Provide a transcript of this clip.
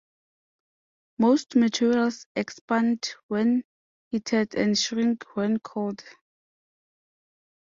Most materials expand when heated and shrink when cooled.